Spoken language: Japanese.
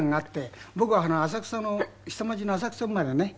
僕は浅草の下町の浅草生まれでね。